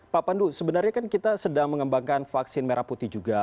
pak pandu sebenarnya kan kita sedang mengembangkan vaksin merah putih juga